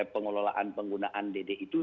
pengelolaan penggunaan dd itu